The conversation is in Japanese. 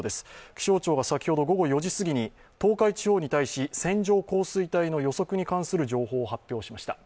気象庁が先ほど午後４時すぎに東海地方に対し、線状降水帯の予測に関する情報を発表しました。